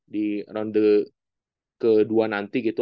di round ke dua nanti gitu